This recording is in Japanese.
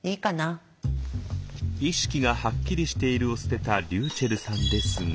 「意識がはっきりしている」を捨てたりゅうちぇるさんですが。